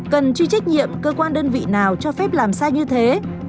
cần chịu trách nhiệm cơ quan đơn vị nào cho phép làm sai như thế